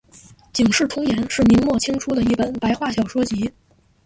警世通言是明末清初的一本白话小说集。